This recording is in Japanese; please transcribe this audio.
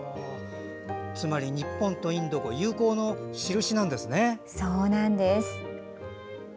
つまり日本とインドの友好の印なんですね。